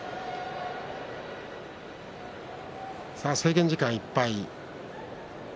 制限時間いっぱい。